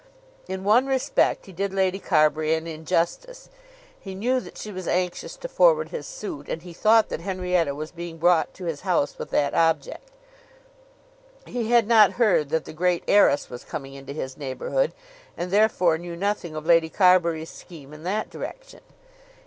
In one respect he did Lady Carbury an injustice. He knew that she was anxious to forward his suit, and he thought that Henrietta was being brought to his house with that object. He had not heard that the great heiress was coming into his neighbourhood, and therefore knew nothing of Lady Carbury's scheme in that direction.